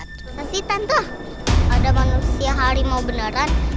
tentang si tante ada manusia harimau beneran